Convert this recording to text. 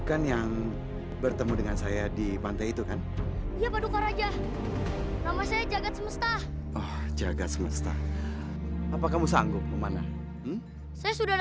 kenapa saya tidak bisa melihat